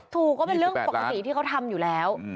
ก็เป็นเรื่องปกติที่เขาทำอยู่แล้ว